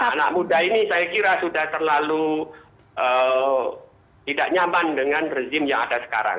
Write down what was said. anak muda ini saya kira sudah terlalu tidak nyaman dengan rezim yang ada sekarang